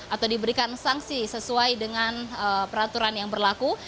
atau diberikan sanksi sesuai dengan peraturan yang berlaku